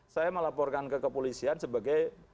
saya melaporkan ke kepolisian sebagai